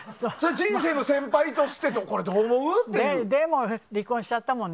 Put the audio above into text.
人生の先輩としてどう思う？って。